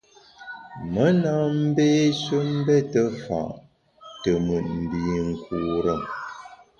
Me na mbéshe mbète fa’ te mùt mbinkure.